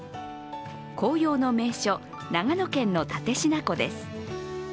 紅葉の名所、長野県の蓼科湖です。